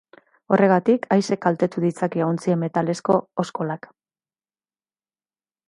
Horregatik, aise kaltetu ditzake ontzien metalezko oskolak.